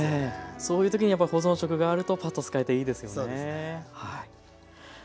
そういう時にやっぱり保存食があるとパッと使えていいですよね。